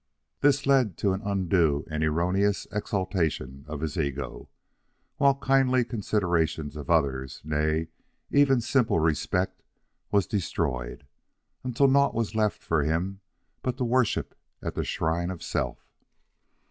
This led to an undue and erroneous exaltation of his ego, while kindly consideration of others nay, even simple respect was destroyed, until naught was left for him but to worship at the shrine of self.